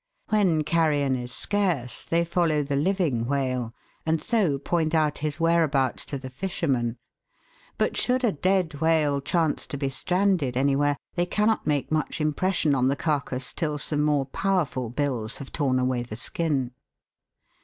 When carrion is scarce they follow the living whale, and so point out his where 232 THE WORLD'S LUMBER ROOM. abouts to the fishermen ; but should a dead whale chance to be stranded anywhere, they cannot make much impression on the carcass till some more powerful bills have torn away the skin.